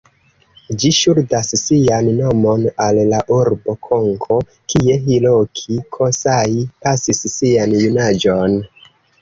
Ĝi ŝuldas sian nomon al la urbo Konko, kie Hiroki Kosai pasis sian junaĝon.